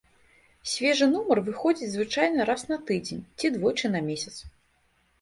Свежы нумар выходзіць звычайна раз на тыдзень ці двойчы на месяц.